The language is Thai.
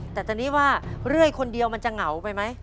แต่ตอนนี้ว่าเรื่อยคนเดียวมันจะเหงาไปไหม